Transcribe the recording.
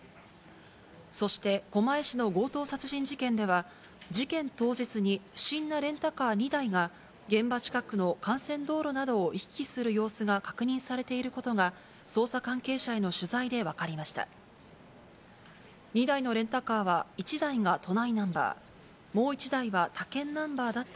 そして、狛江市の強盗殺人事件では、事件当日に、不審なレンタカー２台が現場近くの幹線道路などを行き来する様子が確認されていることが捜査関係者への取材で分かりました。